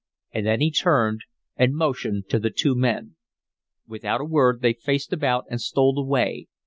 And then he turned and motioned to the two men. Without a word they faced about and stole away.